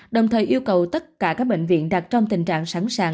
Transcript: đồng thời yêu cầu tất cả các bệnh viện đặt trong tình trạng sẵn sàng